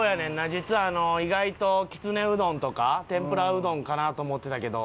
実は意外ときつねうどんとか天ぷらうどんかなと思ってたけど。